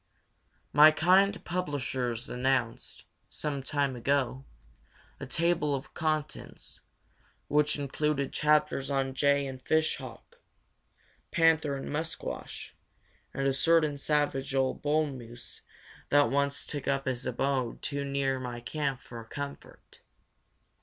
My kind publishers announced, some time ago, a table of contents, which included chapters on jay and fish hawk, panther, and musquash, and a certain savage old bull moose that once took up his abode too near my camp for comfort.